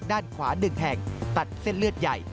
ด้านขวา๑แห่งตัดเส้นเลือดใหญ่